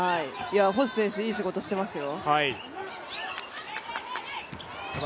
星選手、いい仕事していますよ。